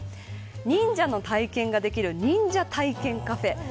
忍者の体験ができる忍者体験カフェ。